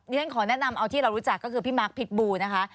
ฉันขอแนะนำเอาที่เรารู้จักก็คือพี่มาร์คพิษบูนะคะ